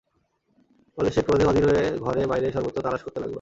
ফলে সে ক্রোধে অধীর হয়ে ঘরে বাইরে সর্বত্র তালাশ করতে লাগল।